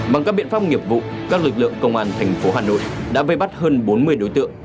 bằng các biện pháp nghiệp vụ các lực lượng công an tp hà nội đã vây bắt hơn bốn mươi đối tượng